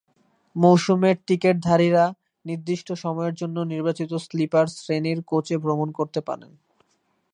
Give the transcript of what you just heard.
মৌসুমের টিকিটধারীরা নির্দিষ্ট সময়ের জন্য নির্বাচিত স্লিপার শ্রেণীর কোচে ভ্রমণ করতে পারেন।